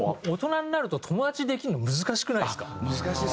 大人になると友達できるの難しくないですか？